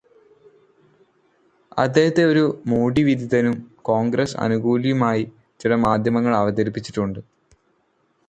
അദ്ദേഹത്തെ ഒരു മോഡി വിരുദ്ധനും കോൺഗ്രസ് അനുകൂലിയുമായി ചില മാധ്യമങ്ങൾ അവതരിപ്പിച്ചിട്ടുണ്ട്.